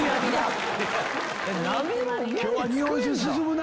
今日は日本酒進むな！